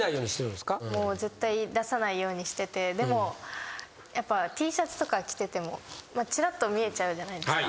絶対出さないようにしててでもＴシャツとか着ててもちらっと見えちゃうじゃないですか。